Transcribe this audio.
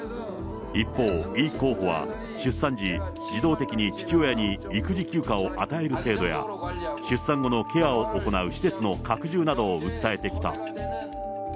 一方、イ候補は出産時、自動的に父親に育児休暇を与える制度や、出産後のケアを行う施設の拡充などを訴えてきた。